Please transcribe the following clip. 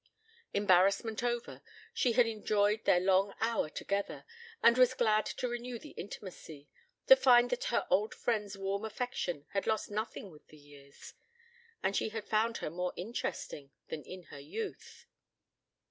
Embarrassment over, she had enjoyed their long hour together, and was glad to renew the intimacy, to find that her old friend's warm affection had lost nothing with the years. And she had found her more interesting than in her youth.